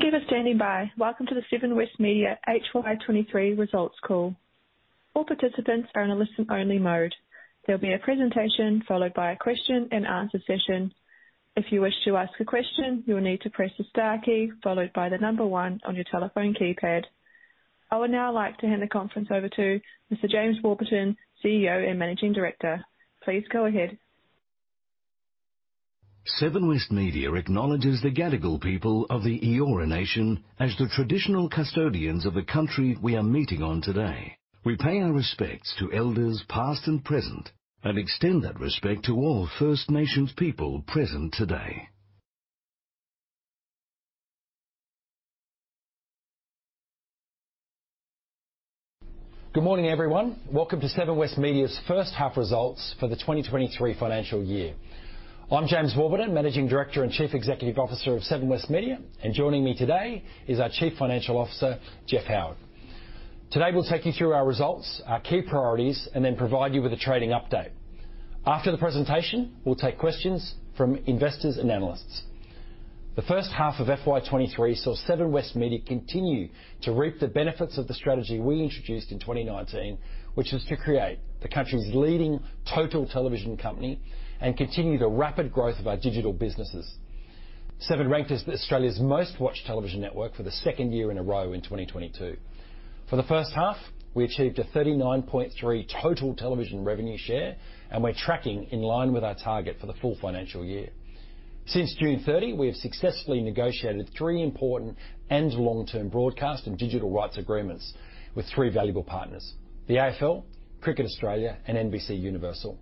Thank you for standing by. Welcome to the Seven West Media HY 2023 results call. All participants are in a listen-only mode. There will be a presentation followed by a question-and-answer session. If you wish to ask a question, you will need to press the star key followed by the number one on your telephone keypad. I would now like to hand the conference over to Mr. James Warburton, CEO and Managing Director. Please go ahead. Seven West Media acknowledges the Gadigal people of the Eora Nation as the traditional custodians of the country we are meeting on today. We pay our respects to elders past and present, and extend that respect to all First Nations people present today. Good morning, everyone. Welcome to Seven West Media's first half results for the 2023 financial year. I'm James Warburton, Managing Director and Chief Executive Officer of Seven West Media, and joining me today is our Chief Financial Officer, Jeff Howard. Today, we'll take you through our results, our key priorities, and then provide you with a trading update. After the presentation, we'll take questions from investors and analysts. The first half of FY 2023 saw Seven West Media continue to reap the benefits of the strategy we introduced in 2019, which was to create the country's leading total television company and continue the rapid growth of our digital businesses. Seven ranked as Australia's most-watched television network for the second year in a row in 2022. For the first half, we achieved a 39.3 total television revenue share, and we're tracking in line with our target for the full financial year. Since June 30, we have successfully negotiated three important and long-term broadcast and digital rights agreements with three valuable partners, the AFL, Cricket Australia, and NBCUniversal.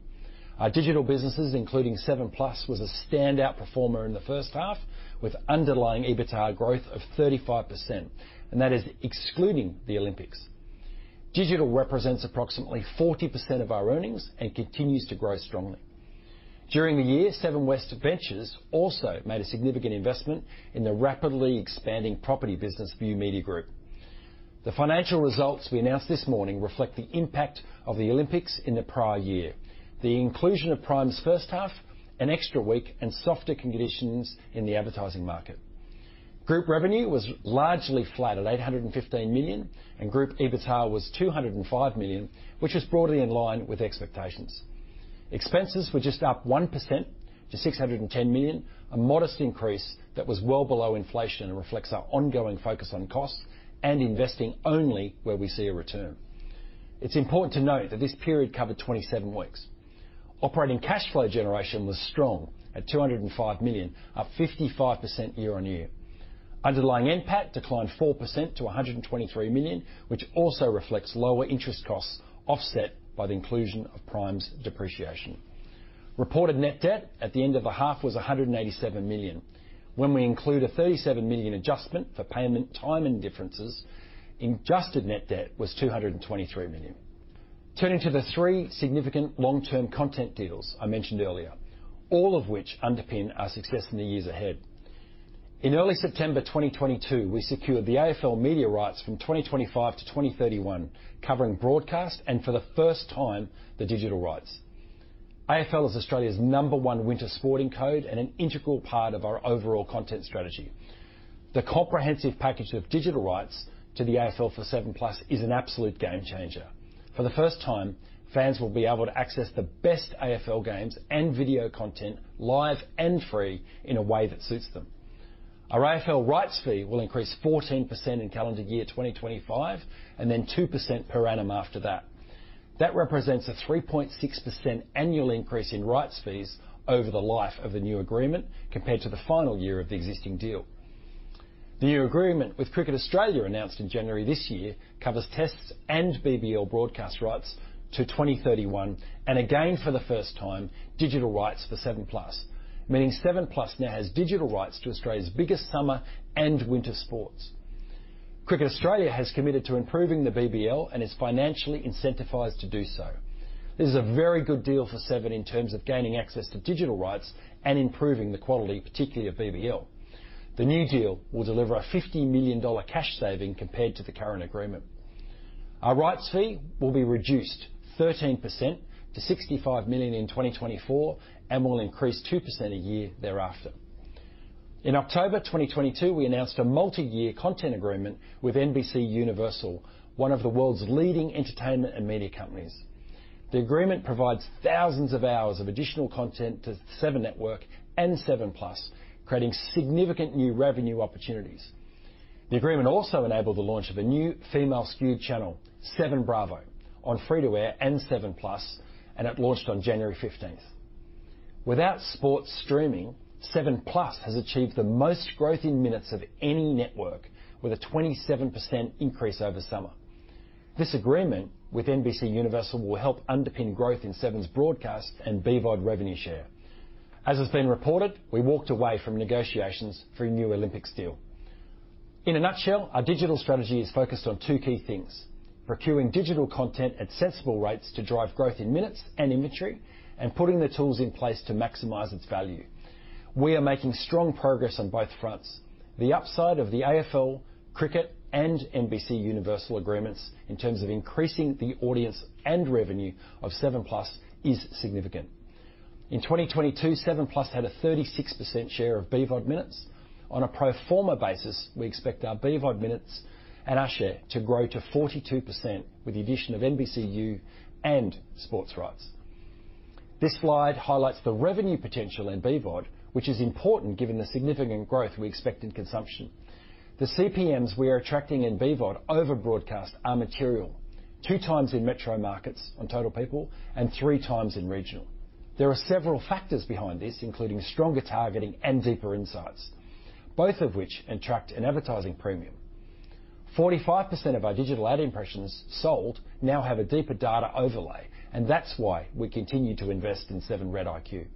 Our digital businesses, including 7plus, was a standout performer in the first half with underlying EBITA growth of 35%, and that is excluding the Olympics. Digital represents approximately 40% of our earnings and continues to grow strongly. During the year, Seven West Ventures also made a significant investment in the rapidly expanding property business View Media Group. The financial results we announced this morning reflect the impact of the Olympics in the prior year, the inclusion of Prime's first half, an extra week, and softer conditions in the advertising market. Group revenue was largely flat at 815 million. Group EBITA was 205 million, which was broadly in line with expectations. Expenses were just up 1% to 610 million, a modest increase that was well below inflation and reflects our ongoing focus on costs and investing only where we see a return. It's important to note that this period covered 27 weeks. Operating cash flow generation was strong at 205 million, up 55% year-on-year. Underlying NPAT declined 4% to 123 million, which also reflects lower interest costs, offset by the inclusion of Prime's depreciation. Reported net debt at the end of the half was 187 million. When we include a 37 million adjustment for payment timing differences, adjusted net debt was 223 million. Turning to the three significant long-term content deals I mentioned earlier, all of which underpin our success in the years ahead. In early September 2022, we secured the AFL media rights from 2025 to 2031, covering broadcast and for the first time, the digital rights. AFL is Australia's number one winter sporting code and an integral part of our overall content strategy. The comprehensive package of digital rights to the AFL for 7plus is an absolute game changer. For the first time, fans will be able to access the best AFL games and video content live and free in a way that suits them. Our AFL rights fee will increase 14% in calendar year 2025, and then 2% per annum after that. That represents a 3.6% annual increase in rights fees over the life of the new agreement compared to the final year of the existing deal. The new agreement with Cricket Australia, announced in January this year, covers tests and BBL broadcast rights to 2031, and again for the first time, digital rights for 7plus, meaning 7plus now has digital rights to Australia's biggest summer and winter sports. Cricket Australia has committed to improving the BBL and is financially incentivized to do so. This is a very good deal for Seven in terms of gaining access to digital rights and improving the quality, particularly of BBL. The new deal will deliver a 50 million dollar cash saving compared to the current agreement. Our rights fee will be reduced 13% to 65 million in 2024 and will increase 2% a year thereafter. In October 2022, we announced a multi-year content agreement with NBCUniversal, one of the world's leading entertainment and media companies. The agreement provides thousands of hours of additional content to Seven Network and 7plus, creating significant new revenue opportunities. The agreement also enabled the launch of a new female skewed channel, 7Bravo, on free-to-air and 7plus. It launched on January 15th. Without sports streaming, 7plus has achieved the most growth in minutes of any network with a 27% increase over summer. This agreement with NBCUniversal will help underpin growth in Seven's broadcast and BVOD revenue share. As has been reported, we walked away from negotiations for a new Olympics deal. In a nutshell, our digital strategy is focused on 2 key things: procuring digital content at sensible rates to drive growth in minutes and inventory, and putting the tools in place to maximize its value. We are making strong progress on both fronts. The upside of the AFL, Cricket, and NBCUniversal agreements in terms of increasing the audience and revenue of 7plus is significant. In 2022, 7plus had a 36% share of BVOD minutes. On a pro forma basis, we expect our BVOD minutes and our share to grow to 42% with the addition of NBCU and sports rights. This slide highlights the revenue potential in BVOD, which is important given the significant growth we expect in consumption. The CPMs we are attracting in BVOD over broadcast are material. Two times in metro markets on total people, three times in regional. There are several factors behind this, including stronger targeting and deeper insights, both of which attract an advertising premium. 45% of our digital ad impressions sold now have a deeper data overlay. That's why we continue to invest in 7REDiQ.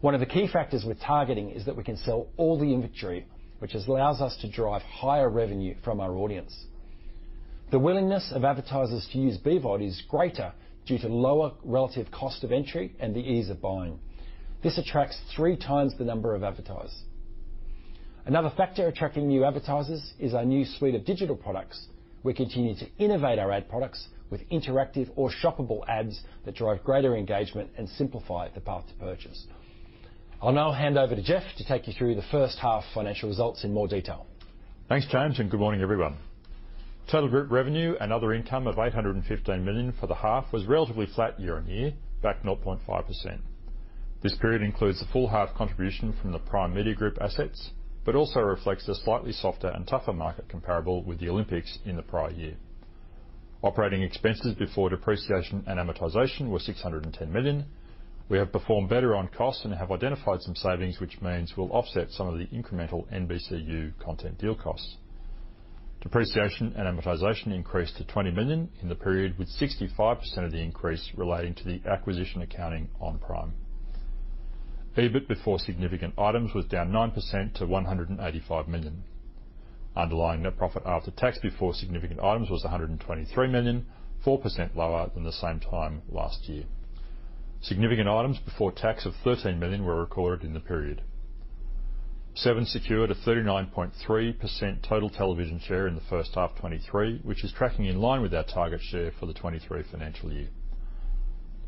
One of the key factors with targeting is that we can sell all the inventory, which allows us to drive higher revenue from our audience. The willingness of advertisers to use BVOD is greater due to lower relative cost of entry and the ease of buying. This attracts three times the number of advertisers. Another factor attracting new advertisers is our new suite of digital products. We continue to innovate our ad products with interactive or shoppable ads that drive greater engagement and simplify the path to purchase. I'll now hand over to Jeff to take you through the first half financial results in more detail. Thanks, James. Good morning, everyone. Total group revenue and other income of 815 million for the half was relatively flat year-over-year, back 0.5%. This period includes the full half contribution from the Prime Media Group assets, also reflects a slightly softer and tougher market comparable with the Olympics in the prior year. Operating expenses before depreciation and amortization were 610 million. We have performed better on costs and have identified some savings, which means we'll offset some of the incremental NBCU content deal costs. Depreciation and amortization increased to 20 million in the period, with 65% of the increase relating to the acquisition accounting on Prime. EBIT before significant items was down 9% to 185 million. Underlying net profit after tax before significant items was 123 million, 4% lower than the same time last year. Significant items before tax of 13 million were recorded in the period. Seven secured a 39.3% total television share in the first half 2023, which is tracking in line with our target share for the 2023 financial year.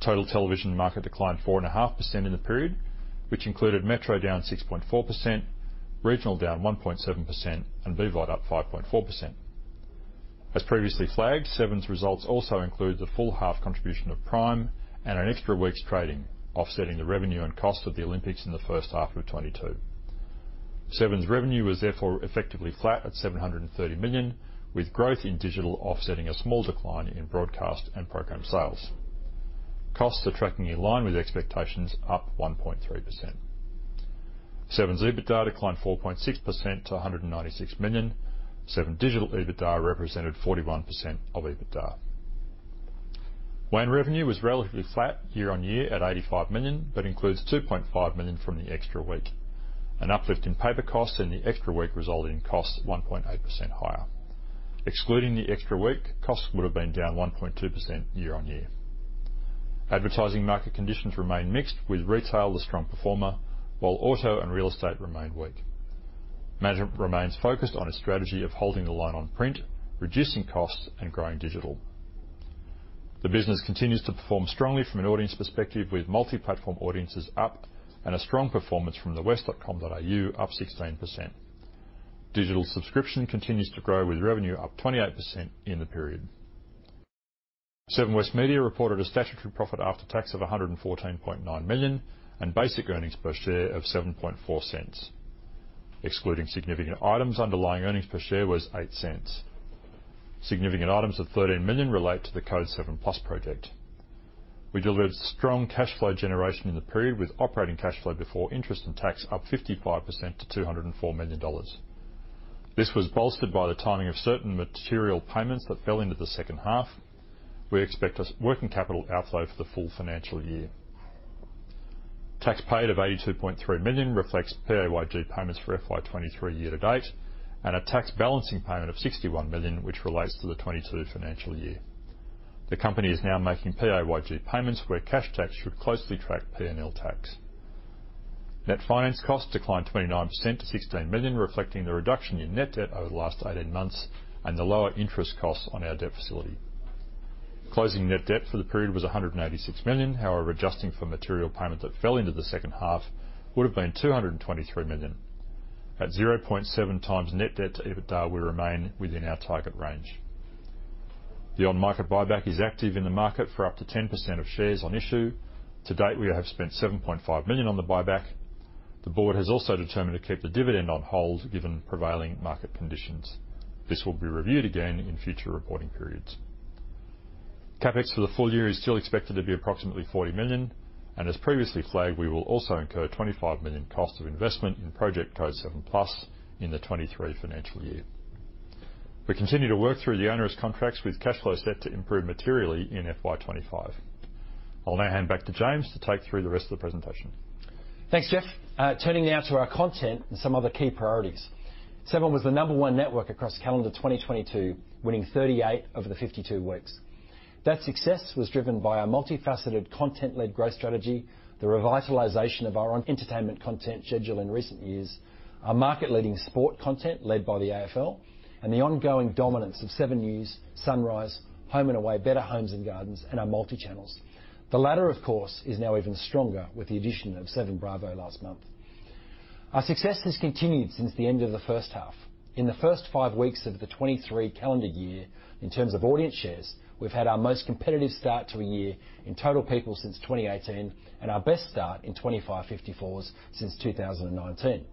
Total television market declined 4.5% in the period, which included metro down 6.4%, regional down 1.7%, and BVOD up 5.4%. As previously flagged, Seven's results also include the full half contribution of Prime and an extra week's trading, offsetting the revenue and cost of the Olympics in the first half of 2022. Seven's revenue was effectively flat at $730 million, with growth in digital offsetting a small decline in broadcast and program sales. Costs are tracking in line with expectations up 1.3%. Seven's EBITDA declined 4.6% to $196 million. Seven digital EBITDA represented 41% of EBITDA. WAN revenue was relatively flat year-on-year at $85 million, includes $2.5 million from the extra week. An uplift in paper costs in the extra week resulted in costs 1.8% higher. Excluding the extra week, costs would have been down 1.2% year-on-year. Advertising market conditions remain mixed, with retail the strong performer, while auto and real estate remain weak. Management remains focused on its strategy of holding the line on print, reducing costs, and growing digital. The business continues to perform strongly from an audience perspective, with multi-platform audiences up and a strong performance from thewest.com.au, up 16%. Digital subscription continues to grow, with revenue up 28% in the period. Seven West Media reported a statutory profit after tax of 114.9 million and basic earnings per share of 0.074. Excluding significant items, underlying earnings per share was 0.08. Significant items of 13 million relate to the CODE 7+ project. We delivered strong cash flow generation in the period with operating cash flow before interest and tax up 55% to 204 million dollars. This was bolstered by the timing of certain material payments that fell into the second half. We expect a working capital outflow for the full financial year. Tax paid of 82.3 million reflects PAYG payments for FY 2023 year to date and a tax balancing payment of 61 million, which relates to the 2022 financial year. The company is now making PAYG payments where cash tax should closely track P&L tax. Net finance costs declined 29% to 16 million, reflecting the reduction in net debt over the last 18 months and the lower interest costs on our debt facility. Closing net debt for the period was 186 million. Adjusting for material payment that fell into the second half would have been 223 million. At 0.7x net debt to EBITDA, we remain within our target range. The on-market buyback is active in the market for up to 10% of shares on issue. To date, we have spent 7.5 million on the buyback. The board has also determined to keep the dividend on hold given prevailing market conditions. This will be reviewed again in future reporting periods. CapEx for the full year is still expected to be approximately 40 million. As previously flagged, we will also incur 25 million cost of investment in project CODE 7+ in the 2023 financial year. We continue to work through the onerous contracts with cash flow set to improve materially in FY 2025. I'll now hand back to James to take through the rest of the presentation. Thanks, Jeff. Turning now to our content and some other key priorities. Seven was the number one network across calendar 2022, winning 38 of the 52 weeks. That success was driven by our multifaceted content-led growth strategy, the revitalization of our own entertainment content schedule in recent years, our market-leading sport content led by the AFL, and the ongoing dominance of 7NEWS, Sunrise, Home and Away, Better Homes and Gardens, and our multi-channels. The latter, of course, is now even stronger with the addition of 7Bravo last month. Our success has continued since the end of the first half. In the first five weeks of the 2023 calendar year, in terms of audience shares, we've had our most competitive start to a year in total people since 2018, and our best start in 25-54s since 2019.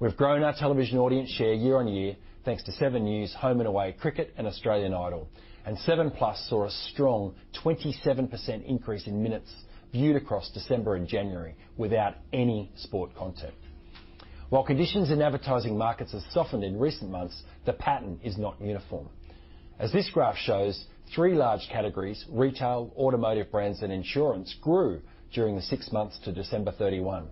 We've grown our television audience share year-over-year, thanks to 7NEWS, Home and Away, cricket, and Australian Idol. 7plus saw a strong 27% increase in minutes viewed across December and January without any sport content. While conditions in advertising markets have softened in recent months, the pattern is not uniform. As this graph shows, three large categories, retail, automotive brands, and insurance, grew during the six months to December 31.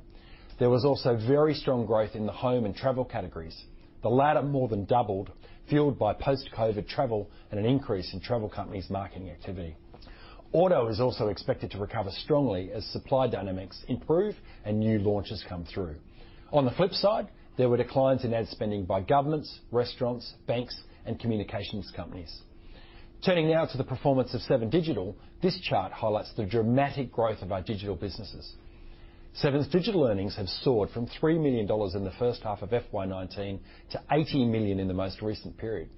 There was also very strong growth in the home and travel categories. The latter more than doubled, fueled by post-COVID travel and an increase in travel companies' marketing activity. Auto is also expected to recover strongly as supply dynamics improve and new launches come through. On the flip side, there were declines in ad spending by governments, restaurants, banks, and communications companies. Turning now to the performance of Seven Digital, this chart highlights the dramatic growth of our digital businesses. Seven's digital earnings have soared from 3 million dollars in the first half of FY19 to 80 million in the most recent period.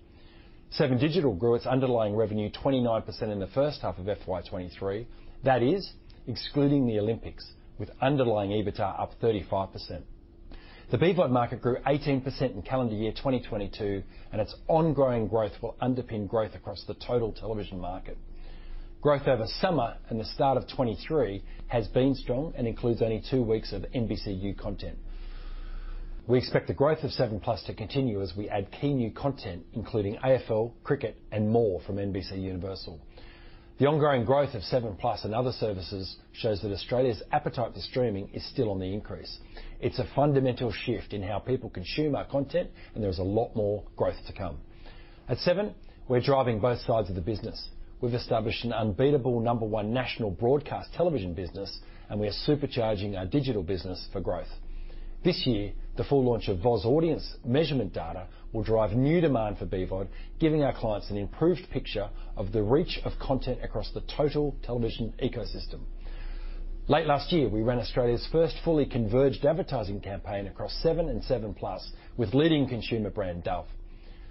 Seven Digital grew its underlying revenue 29% in the first half of FY23, that is excluding the Olympics, with underlying EBITA up 35%. The BVOD market grew 18% in calendar year 2022, its ongoing growth will underpin growth across the total television market. Growth over summer and the start of 23 has been strong and includes only two weeks of NBCU content. We expect the growth of Seven Plus to continue as we add key new content, including AFL, cricket, and more from NBCUniversal. The ongoing growth of 7plus and other services shows that Australia's appetite for streaming is still on the increase. It's a fundamental shift in how people consume our content. There is a lot more growth to come. At Seven, we're driving both sides of the business. We've established an unbeatable number one national broadcast television business. We are supercharging our digital business for growth. This year, the full launch of VOZ audience measurement data will drive new demand for BVOD, giving our clients an improved picture of the reach of content across the total television ecosystem. Late last year, we ran Australia's first fully converged advertising campaign across Seven and 7plus with leading consumer brand Dove.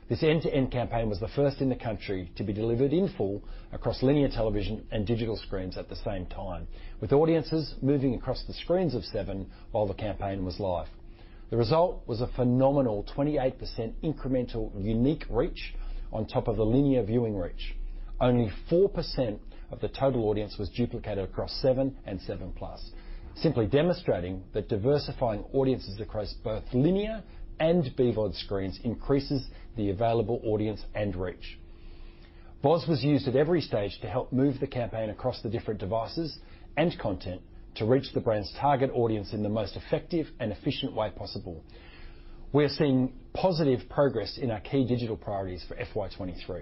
This end-to-end campaign was the first in the country to be delivered in full across linear television and digital screens at the same time, with audiences moving across the screens of Seven while the campaign was live. The result was a phenomenal 28% incremental unique reach on top of the linear viewing reach. Only 4% of the total audience was duplicated across Seven and 7plus, simply demonstrating that diversifying audiences across both linear and BVOD screens increases the available audience and reach. VOZ was used at every stage to help move the campaign across the different devices and content to reach the brand's target audience in the most effective and efficient way possible. We're seeing positive progress in our key digital priorities for FY 2023.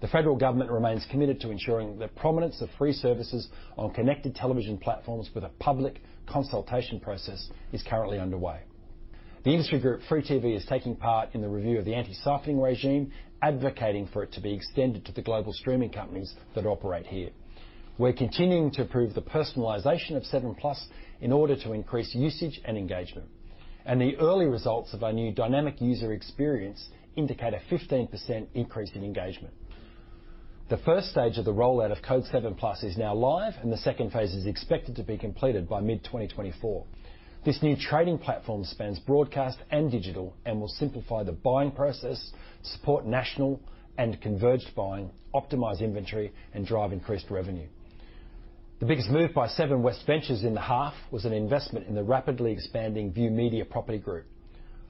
The federal government remains committed to ensuring the prominence of free services on connected television platforms with a public consultation process is currently underway. The industry group Free TV is taking part in the review of the anti-siphoning regime, advocating for it to be extended to the global streaming companies that operate here. We're continuing to improve the personalization of 7plus in order to increase usage and engagement. The early results of our new dynamic user experience indicate a 15% increase in engagement. The first stage of the rollout of CODE 7+ is now live, and the second phase is expected to be completed by mid-2024. This new trading platform spans broadcast and digital and will simplify the buying process, support national and converged buying, optimize inventory, and drive increased revenue. The biggest move by Seven West Ventures in the half was an investment in the rapidly expanding View Media Group.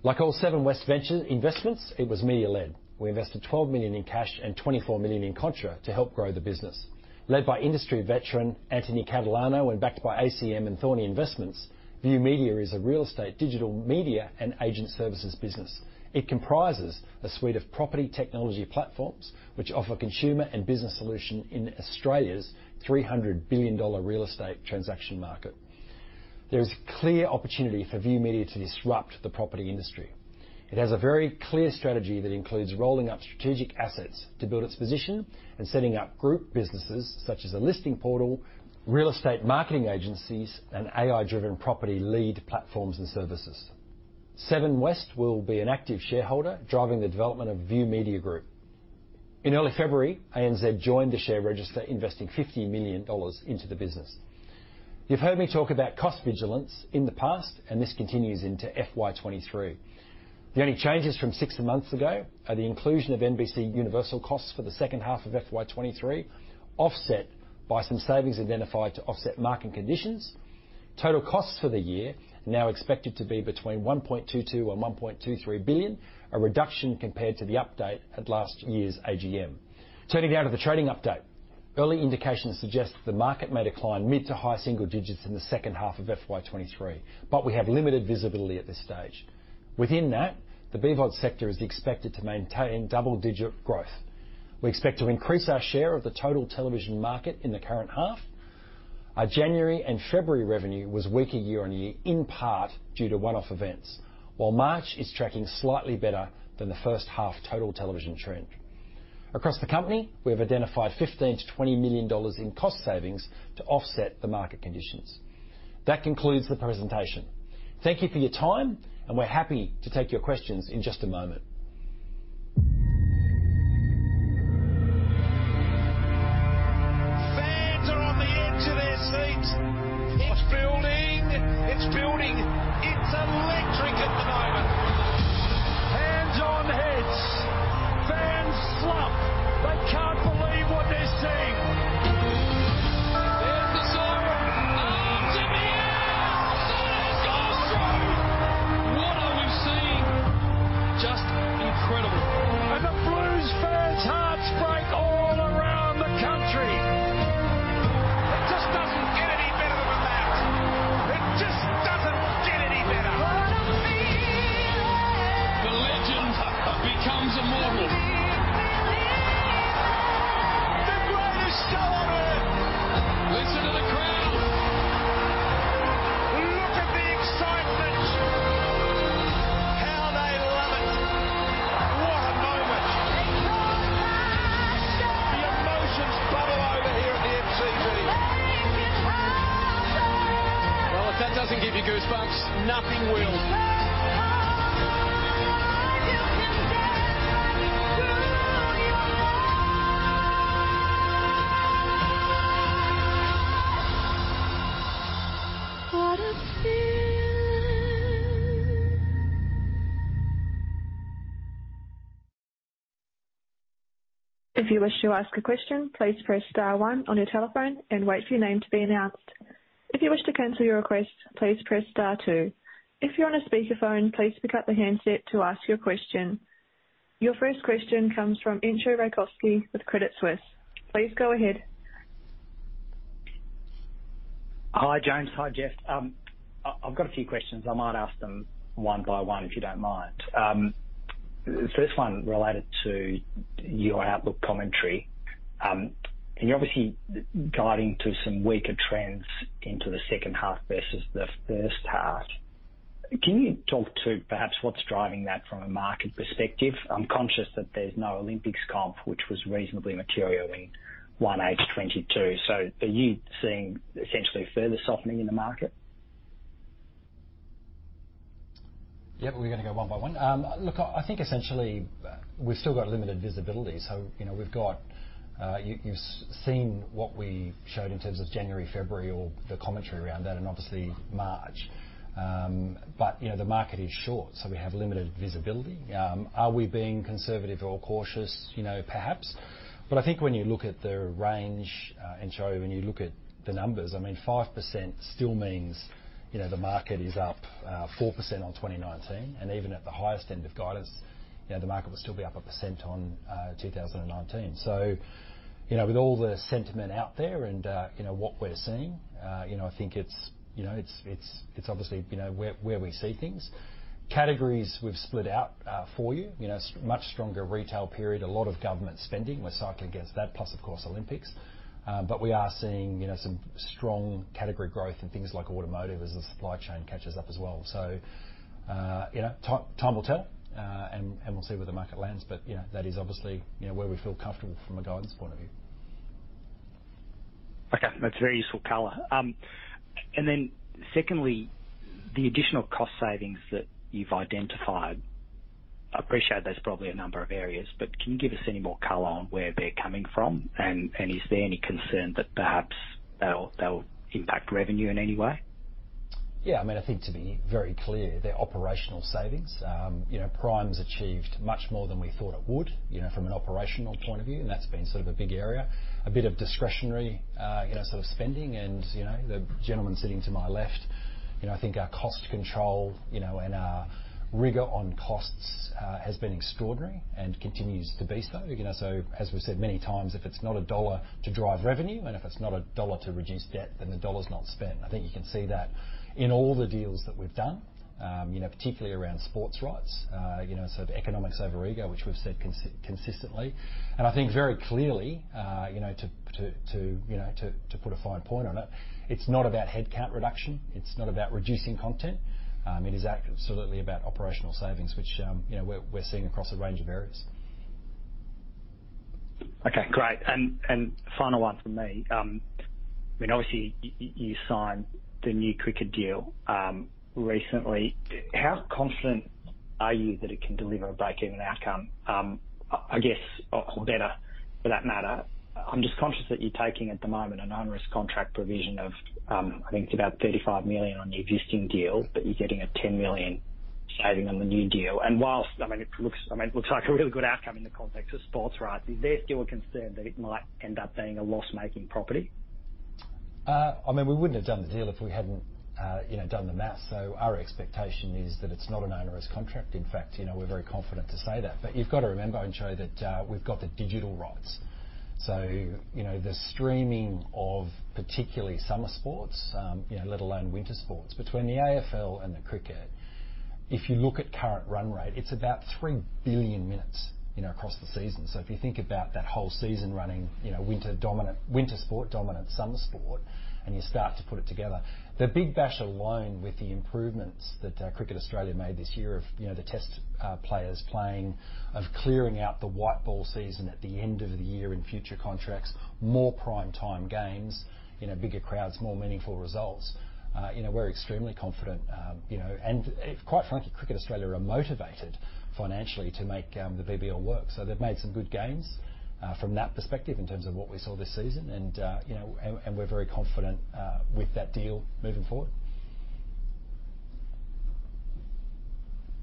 Like all Seven West Venture investments, it was media-led. We invested 12 million in cash and 24 million in contra to help grow the business. Led by industry veteran Antony Catalano and backed by ACM and Thorney Investments, View Media is a real estate, digital media, and agent services business. It comprises a suite of property technology platforms, which offer consumer and business solution in Australia's 300 billion dollar real estate transaction market. There is clear opportunity for View Media to disrupt the property industry. It has a very clear strategy that includes rolling up strategic assets to build its position and setting up group businesses such as a listing portal, real estate marketing agencies, and AI-driven property lead platforms and services. Seven West will be an active shareholder driving the development of View Media Group. In early February, ANZ joined the share register, investing 50 million dollars into the business. You've heard me talk about cost vigilance in the past. This continues into FY 2023. The only changes from six months ago are the inclusion of NBCUniversal costs for the second half of FY 2023, offset by some savings identified to offset market conditions. Total costs for the year are now expected to be between 1.22 billion and 1.23 billion, a reduction compared to the update at last year's AGM. Turning now to the trading update. Early indications suggest that the market may decline mid-to-high single digits in the second half of FY 2023. We have limited visibility at this stage. Within that, the BVOD sector is expected to maintain double-digit growth. We expect to increase our share of the total television market in the current half. Our January and February revenue was weaker year-on-year, in part due to one-off events. While March is tracking slightly better than the first half total television trend. Across the company, we have identified 15 million-20 million dollars in cost savings to offset the market conditions. That concludes the presentation. Thank you for your time, and we're happy to take your questions in just a moment. Fans are on the edge of their seats. It's building. It's building. It's electric at the moment. Hands on heads. Fans slump. They can't believe what they're seeing. The first one related to your outlook commentary. You're obviously guiding to some weaker trends into the second half versus the first half. Can you talk to perhaps what's driving that from a market perspective? I'm conscious that there's no Olympics comp, which was reasonably material in 1H 2022. Are you seeing essentially further softening in the market? Yeah. We're gonna go one by one. Look, I think essentially we've still got limited visibility. You know, we've got, you've seen what we showed in terms of January, February or the commentary around that and obviously March. But, you know, the market is short, so we have limited visibility. Are we being conservative or cautious? You know, perhaps. But I think when you look at the range, Entcho, when you look at the numbers, I mean, 5% still means, you know, the market is up, 4% on 2019. Even at the highest end of guidance, you know, the market will still be up 1% on, 2019. You know, with all the sentiment out there and, you know, what we're seeing, you know, I think it's, you know, it's obviously, you know, where we see things. Categories we've split out for you. You know, much stronger retail period. A lot of government spending. We're cycling against that, plus of course, Olympics. We are seeing, you know, some strong category growth in things like automotive as the supply chain catches up as well. You know, time will tell, and we'll see where the market lands. You know, that is obviously, you know, where we feel comfortable from a guidance point of view. Okay, that's very useful color. Secondly, the additional cost savings that you've identified. I appreciate there's probably a number of areas, but can you give us any more color on where they're coming from? Is there any concern that perhaps they'll impact revenue in any way? Yeah, I mean, I think to be very clear, they're operational savings. You know, Prime's achieved much more than we thought it would, you know, from an operational point of view, and that's been sort of a big area. A bit of discretionary, you know, sort of spending. The gentleman sitting to my left, you know, I think our cost control, you know, and our rigor on costs, has been extraordinary and continues to be so. You know, as we've said many times, if it's not a dollar to drive revenue and if it's not a dollar to reduce debt, then the dollar's not spent. I think you can see that in all the deals that we've done, you know, particularly around sports rights, you know, economics over ego, which we've said consistently. I think very clearly, you know, to put a fine point on it's not about headcount reduction, it's not about reducing content. It is absolutely about operational savings, which, you know, we're seeing across a range of areas. Okay, great. Final one from me. I mean, obviously you signed the new cricket deal recently. How confident are you that it can deliver a break-even outcome, I guess or better for that matter? I'm just conscious that you're taking at the moment an onerous contract provision of, I think it's about 35 million on the existing deal, but you're getting a 10 million saving on the new deal. Whilst, I mean, it looks, I mean, it looks like a really good outcome in the context of sports rights, is there still a concern that it might end up being a loss-making property? I mean, we wouldn't have done the deal if we hadn't, you know, done the math. Our expectation is that it's not an onerous contract. In fact, you know, we're very confident to say that. You've got to remember, Entcho, that, we've got the digital rights So, you know, the streaming of particularly summer sports, you know, let alone winter sports. Between the AFL and the cricket, if you look at current run rate, it's about three billion minutes, you know, across the season. If you think about that whole season running, you know, winter sport dominant, summer sport, and you start to put it together. The Big Bash alone, with the improvements that Cricket Australia made this year of, you know, the test players playing, of clearing out the white ball season at the end of the year in future contracts, more prime time games, you know, bigger crowds, more meaningful results, you know, we're extremely confident, you know. Quite frankly, Cricket Australia are motivated financially to make the BBL work. They've made some good gains from that perspective in terms of what we saw this season. We're very confident with that deal moving forward.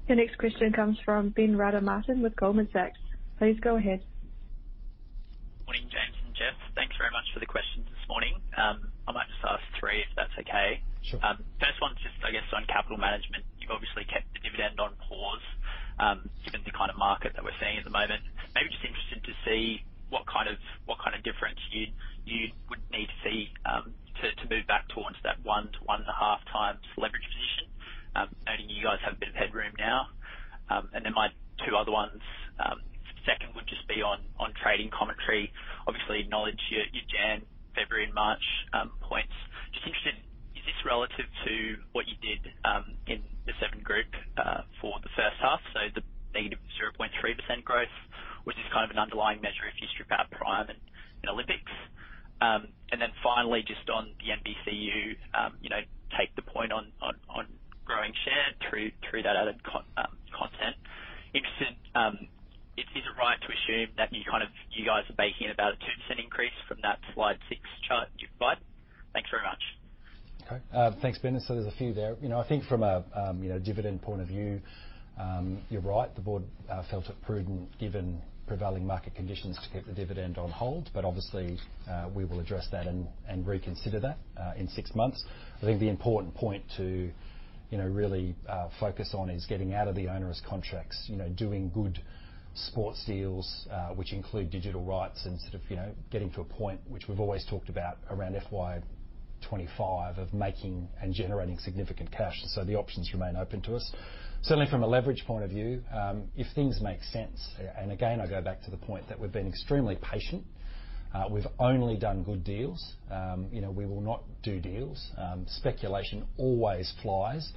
Your next question comes from Ben Rada Martin with Goldman Sachs. Please go ahead. Morning, James and Jeff. Thanks very much for the questions this morning. I might just ask three, if that's okay. Sure. First one's just I guess on capital management. You've obviously kept the dividend on pause, given the kind of market that we're seeing at the moment. Maybe just interested to see what kind of, what kind of difference you would need to see to move back towards that one to 1.5 times leverage position, knowing you guys have a bit of headroom now. Then my two other ones, second would just be on trading commentary. Obviously acknowledge your Jan, February, and March points. Just interested, is this relative to what you did in the Seven Group for the first half, so the need of 0.3% growth, which is kind of an underlying measure if you strip out Prime and Olympics? Finally, just on the NBCU, you know, take the point on growing share through that added content. Interested, is it right to assume that you kind of, you guys are baking in about a 2% increase from that slide 6 chart you provide? Thanks very much. Okay. Thanks, Ben. There's a few there. You know, I think from a, you know, dividend point of view, you're right. The board felt it prudent, given prevailing market conditions, to keep the dividend on hold. Obviously, we will address that and reconsider that in six months. I think the important point to, you know, really focus on is getting out of the onerous contracts. You know, doing good sports deals, which include digital rights and sort of, you know, getting to a point which we've always talked about around FY 2025 of making and generating significant cash. The options remain open to us. Certainly from a leverage point of view, if things make sense, and again, I go back to the point that we've been extremely patient. We've only done good deals. You know, we will not do deals. Speculation always flies,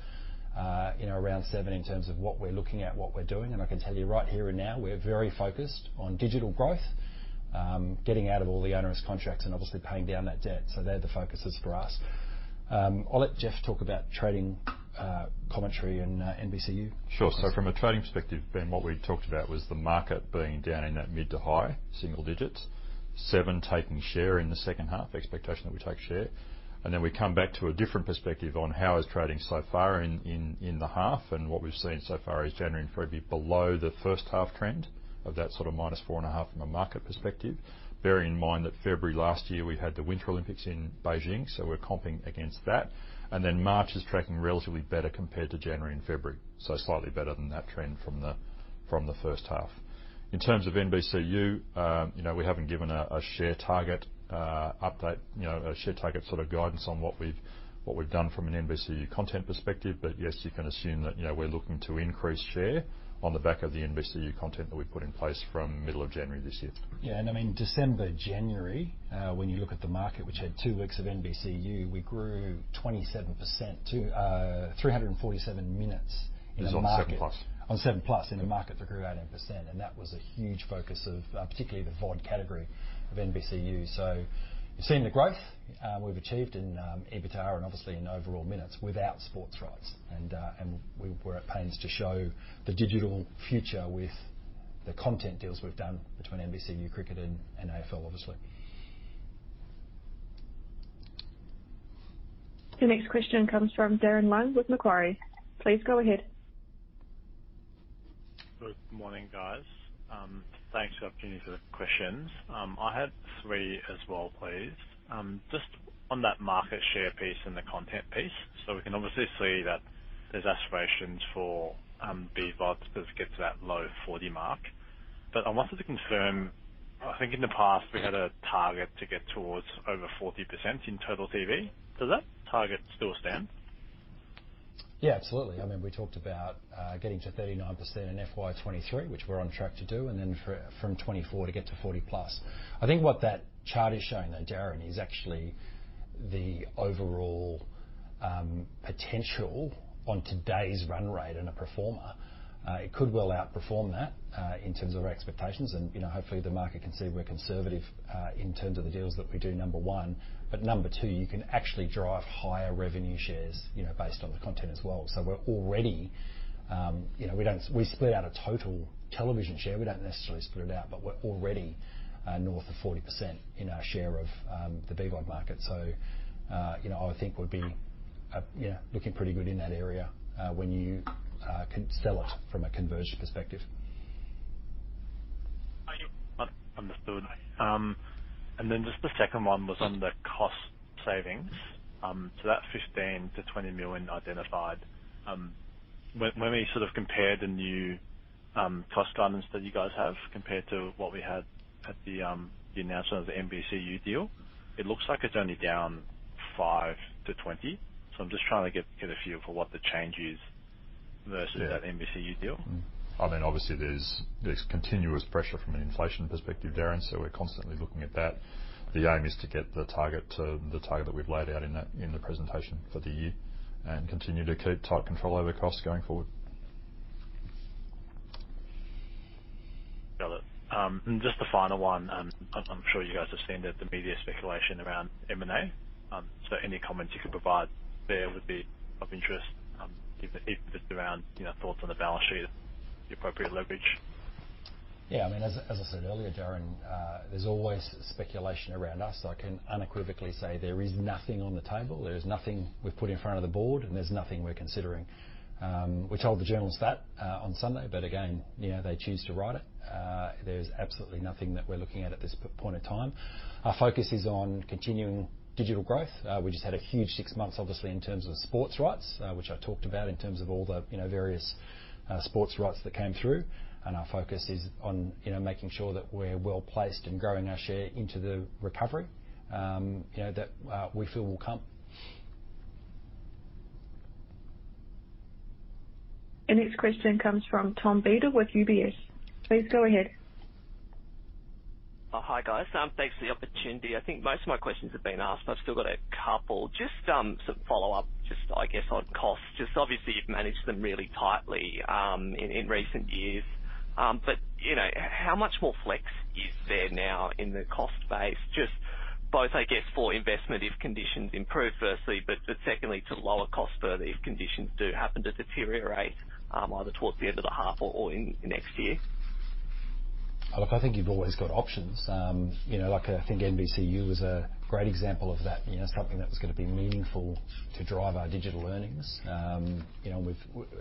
you know, around Seven in terms of what we're looking at, what we're doing. I can tell you right here and now, we're very focused on digital growth, getting out of all the onerous contracts and obviously paying down that debt. They're the focuses for us. I'll let Jeff talk about trading commentary and NBCU. Sure. From a trading perspective, Ben, what we talked about was the market being down in that mid to high single digits. Seven taking share in the second half, expectation that we take share. We come back to a different perspective on how is trading so far in the half. What we've seen so far is January and February below the first half trend of that sort of -4.5% from a market perspective. Bearing in mind that February last year, we had the Winter Olympics in Beijing, so we're comping against that. March is tracking relatively better compared to January and February, so slightly better than that trend from the first half. In terms of NBCU, you know, we haven't given a share target update, you know, a share target sort of guidance on what we've done from an NBCU content perspective. Yes, you can assume that, you know, we're looking to increase share on the back of the NBCU content that we put in place from middle of January this year. Yeah, I mean, December, January, when you look at the market, which had two weeks of NBCU, we grew 27% to, 347 minutes in the market- This was on 7plus. On 7plus. In a market that grew 18%, and that was a huge focus of particularly the VOD category of NBCU. You've seen the growth we've achieved in EBITDA and obviously in overall minutes without sports rights. We're at pains to show the digital future with the content deals we've done between NBCU, Cricket and AFL, obviously. The next question comes from Darren Leung with Macquarie. Please go ahead. Good morning guys. Thanks for the opportunity for the questions. I had three as well, please. Just on that market share piece and the content piece. We can obviously see that there's aspirations for BVOD to get to that low 40 mark. I wanted to confirm, I think in the past we had a target to get towards over 40% in total TV. Does that target still stand? Yeah, absolutely. I mean, we talked about getting to 39% in FY 2023, which we're on track to do, and then from 2024 to get to 40+. I think what that chart is showing, though, Darren, is actually the overall potential on today's run rate in a performer. It could well outperform that in terms of our expectations. You know, hopefully the market can see we're conservative in terms of the deals that we do, number one. Number two, you can actually drive higher revenue shares, you know, based on the content as well. We're already, you know, we split out a total television share. We don't necessarily split it out, but we're already north of 40% in our share of the BVOD market. You know, I would think we'd be, you know, looking pretty good in that area, when you sell it from a conversion perspective. Yep. Understood. Just the second one was on the cost savings. That 15 million-20 million identified. When we sort of compare the new cost guidance that you guys have compared to what we had at the announcement of the NBCU deal, it looks like it's only down 5%-20%. I'm just trying to get a feel for what the change is. Yeah. that NBCU deal. I mean, obviously, there's continuous pressure from an inflation perspective, Darren. We're constantly looking at that. The aim is to get the target to the target that we've laid out in the presentation for the year and continue to keep tight control over costs going forward. Got it. Just a final one. I'm sure you guys have seen the media speculation around M&A. Any comments you could provide there would be of interest, if it's around, you know, thoughts on the balance sheet, the appropriate leverage. I mean, as I said earlier, Darren Leung, there's always speculation around us. I can unequivocally say there is nothing on the table. There is nothing we've put in front of the board, there's nothing we're considering. We told the journalists that on Sunday, again, you know, they choose to write it. There's absolutely nothing that we're looking at at this point of time. Our focus is on continuing digital growth. We just had a huge six months, obviously, in terms of sports rights, which I talked about in terms of all the, you know, various sports rights that came through. Our focus is on, you know, making sure that we're well-placed in growing our share into the recovery, you know, that we feel will come. The next question comes from Tom Beadle with UBS. Please go ahead. Oh, hi, guys. Thanks for the opportunity. I think most of my questions have been asked, but I've still got a couple. Just, sort of follow up, just, I guess, on costs. Just obviously, you've managed them really tightly in recent years. You know, how much more flex is there now in the cost base? Just both, I guess, for investment if conditions improve, firstly. Secondly, to lower costs further if conditions do happen to deteriorate, either towards the end of the half or in next year. Look, I think you've always got options. You know, like I think NBCU was a great example of that. You know, something that was gonna be meaningful to drive our digital earnings. You know,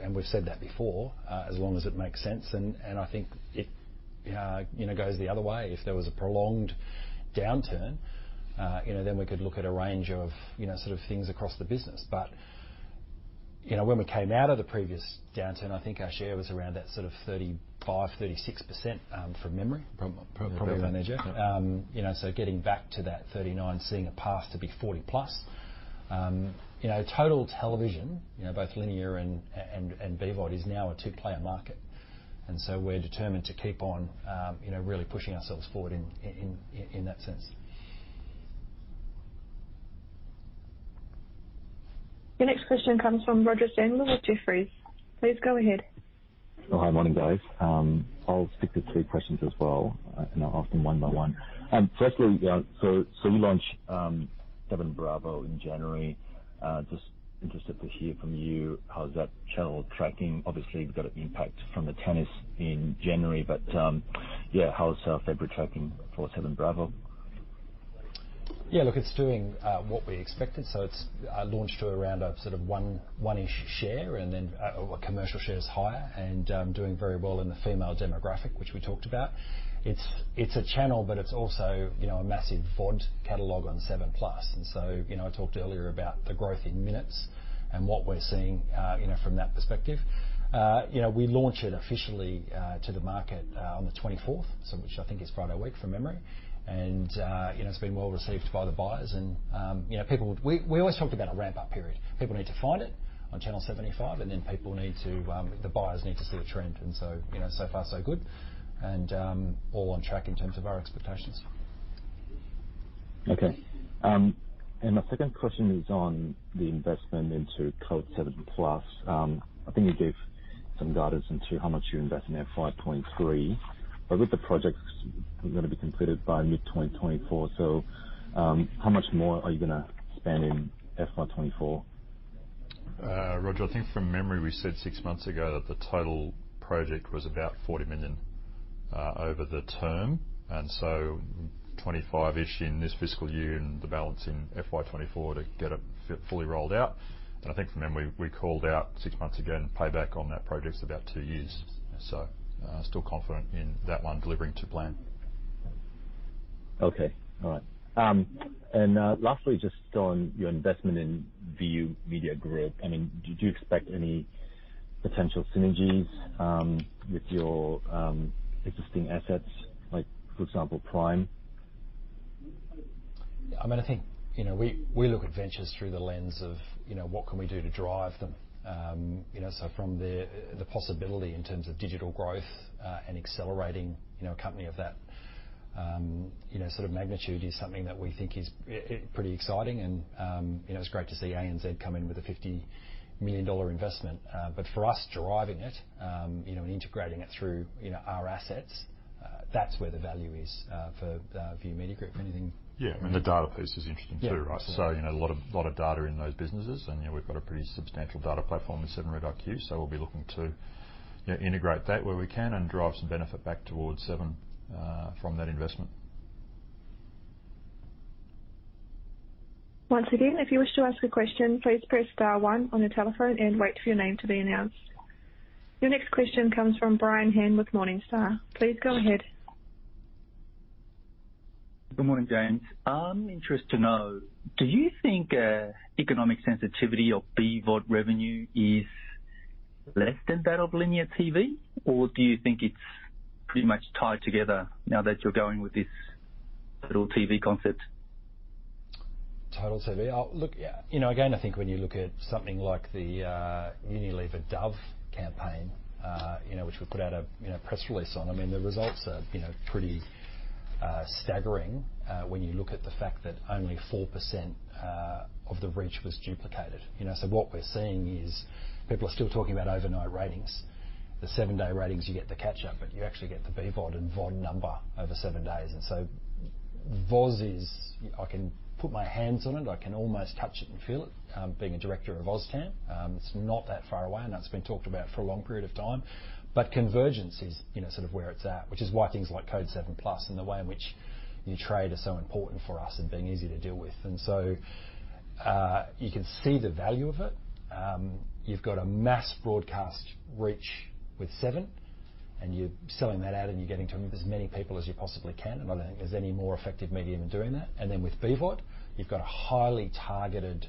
and we've said that before, as long as it makes sense. I think it, you know, goes the other way. If there was a prolonged downturn, you know, then we could look at a range of, you know, sort of things across the business. You know, when we came out of the previous downturn, I think our share was around that sort of 35%-36%, from memory. Probably. You know, getting back to that 39, seeing a path to be 40+. You know, total television, you know, both linear and VOD is now a two-player market. We're determined to keep on, you know, really pushing ourselves forward in that sense. The next question comes from Roger Samuel with Jefferies, please go ahead. Oh, hi. Morning, guys. I'll stick to two questions as well, and I'll ask them one by one. Firstly, so you launched 7Bravo in January. Just interested to hear from you how's that channel tracking. Obviously, you've got an impact from the tennis in January. Yeah, how is February tracking for 7Bravo? Yeah. Look, it's doing what we expected. It's launched to around a sort of 1-ish share, and then, well commercial share is higher and doing very well in the female demographic, which we talked about. It's, it's a channel, but it's also, you know, a massive VOD catalog on 7plus. You know, I talked earlier about the growth in minutes and what we're seeing, you know, from that perspective. You know, we launch it officially to the market on the 24th, which I think is Friday week from memory. You know, it's been well received by the buyers and, you know. We always talked about a ramp-up period. People need to find it on channel 75, and then people need to, the buyers need to see a trend. You know, so far so good and, all on track in terms of our expectations. Okay. My second question is on the investment into CODE 7+. I think you gave some guidance into how much you invest in there, 5.3. With the projects gonna be completed by mid-2024. How much more are you gonna spend in FY 2024? Roger, I think from memory we said six months ago that the total project was about 40 million over the term, and so 25-ish in this fiscal year and the balance in FY 2024 to get it fully rolled out. I think from memory, we called out 6 months ago payback on that project's about two years. Still confident in that one delivering to plan Okay. All right. Lastly, just on your investment in View Media Group, do you expect any potential synergies with your existing assets, for example, Prime? I mean, I think, you know, we look at ventures through the lens of, you know, what can we do to drive them? You know, from the possibility in terms of digital growth, and accelerating, you know, a company of that, you know, sort of magnitude, is something that we think is pretty exciting and, you know, it's great to see ANZ come in with a 50 million dollar investment. For us driving it, you know, and integrating it through, you know, our assets, that's where the value is for the View Media Group, if anything. Yeah. I mean, the data piece is interesting too, right? Yeah. You know, a lot of data in those businesses and, you know, we've got a pretty substantial data platform with 7REDiQ. We'll be looking to, you know, integrate that where we can and drive some benefit back towards Seven from that investment. Once again, if you wish to ask a question, please press star one on your telephone and wait for your name to be announced. Your next question comes from Brian Han with Morningstar. Please go ahead. Good morning, James. I'm interested to know, do you think, economic sensitivity of BVOD revenue is less than that of linear TV, or do you think it's pretty much tied together now that you're going with this total TV concept? Total TV. Look, you know, again, I think when you look at something like the Unilever Dove campaign, you know, which we put out a, you know, press release on. I mean, the results are, you know, pretty staggering when you look at the fact that only 4% of the reach was duplicated. You know, what we're seeing is people are still talking about overnight ratings. The seven-day ratings, you get the catch up, but you actually get the BVOD and VOD number over seven days. VOZ is... I can put my hands on it. I can almost touch it and feel it, being a director of [OzTAM]. It's not that far away, and that's been talked about for a long period of time. Convergence is, you know, sort of where it's at, which is why things like CODE 7+ and the way in which you trade are so important for us and being easy to deal with. You can see the value of it. You've got a mass broadcast reach with Seven, and you're selling that ad, and you're getting to as many people as you possibly can. I don't think there's any more effective medium in doing that. With BVOD, you've got a highly targeted,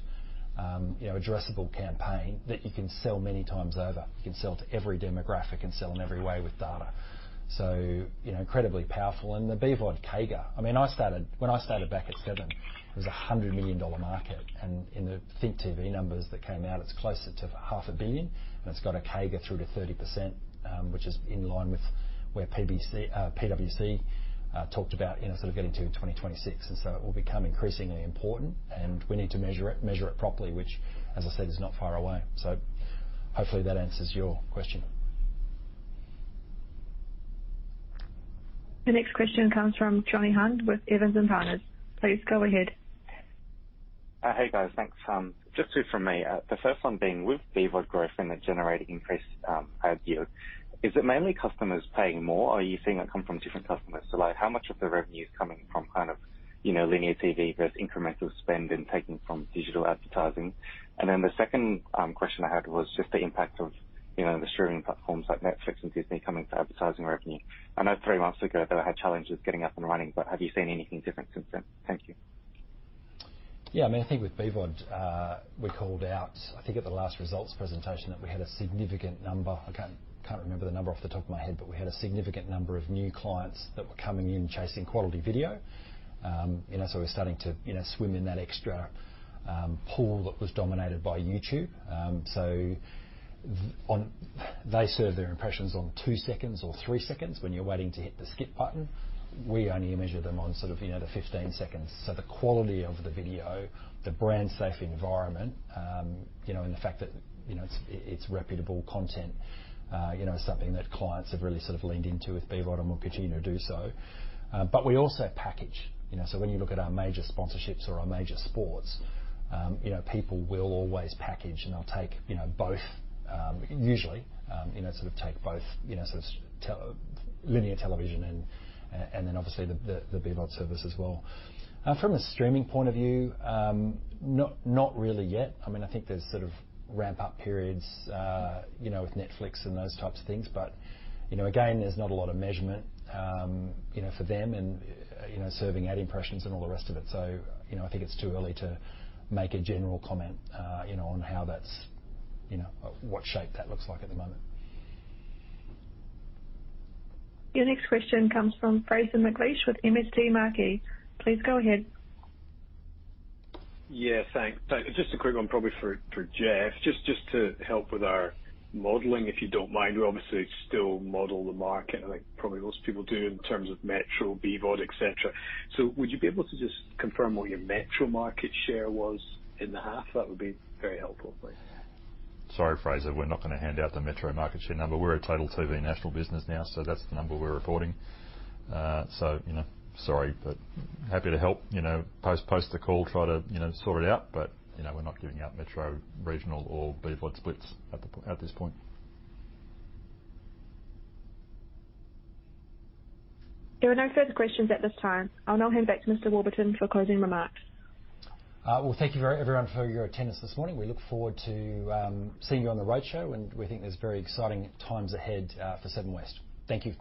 you know, addressable campaign that you can sell many times over. You can sell to every demographic and sell in every way with data. You know, incredibly powerful. The BVOD CAGR. I mean, when I started back at Seven, it was a $100 million market. In the ThinkTV numbers that came out, it's closer to AUD half a billion, and it's got a CAGR through to 30%, which is in line with where PwC talked about in sort of getting to 2026. It will become increasingly important, and we need to measure it properly, which as I said, is not far away. Hopefully that answers your question. The next question comes from Jonny Hunt with Evans and Partners. Please go ahead. Hey, guys. Thanks. Just two from me. The first one being with BVOD growth and the generating increased ad yield, is it mainly customers paying more or are you seeing it come from different customers? Like, how much of the revenue is coming from kind of, you know, linear TV versus incremental spend and taking from digital advertising? The second question I had was just the impact of, you know, the streaming platforms like Netflix and Disney coming to advertising revenue. I know three months ago they had challenges getting up and running, but have you seen anything different since then? Thank you. I mean, I think with BVOD, we called out, I think at the last results presentation, that we had a significant number. I can't remember the number off the top of my head, but we had a significant number of new clients that were coming in chasing quality video, you know. We're starting to, you know, swim in that extra pool that was dominated by YouTube. They serve their impressions on two seconds or three seconds when you're waiting to hit the skip button. We only measure them on sort of, you know, the 15 seconds. The quality of the video, the brand safe environment, you know, and the fact that, you know, it's reputable content, you know, something that clients have really sort of leaned into with BVOD or will continue to do so. We also package, you know. When you look at our major sponsorships or our major sports, you know, people will always package, and they'll take, you know, both, usually, you know, sort of take both, you know, sort of linear television and then obviously the BVOD service as well. From a streaming point of view, not really yet. I mean, I think there's sort of ramp up periods, you know, with Netflix and those types of things, but, you know, again, there's not a lot of measurement, you know, for them and, you know, serving ad impressions and all the rest of it. I think it's too early to make a general comment, you know, on how that's, you know, what shape that looks like at the moment. Your next question comes from Fraser McLeish with MST Marquee. Please go ahead. Yeah, thanks. Just a quick one probably for Jeff. Just to help with our modeling, if you don't mind. We obviously still model the market, like probably most people do in terms of metro, BVOD, et cetera. Would you be able to just confirm what your metro market share was in the half? That would be very helpful, please. Sorry, Fraser, we're not gonna hand out the metro market share number. We're a total TV national business now, so that's the number we're reporting. You know, sorry, but happy to help. You know, post the call, try to, you know, sort it out. You know, we're not giving out metro, regional or BVOD splits at this point. There were no further questions at this time. I'll now hand back to Mr. Warburton for closing remarks. Well, thank you very everyone for your attendance this morning. We look forward to seeing you on the roadshow. We think there's very exciting times ahead for Seven West. Thank you.